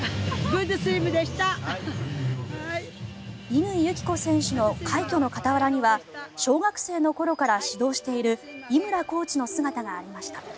乾友紀子選手の快挙の傍らには小学生の頃から指導している井村コーチの姿がありました。